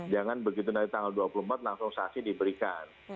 jangan begitu dari tanggal dua puluh empat langsung saksi diberikan